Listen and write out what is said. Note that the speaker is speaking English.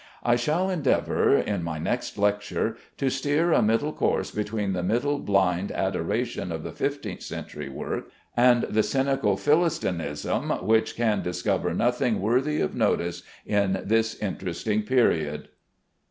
I shall endeavor, in my next lecture, to steer a middle course between the modern blind adoration of the fifteenth century work, and the cynical Philistinism which can discover nothing worthy of notice in this interesting period.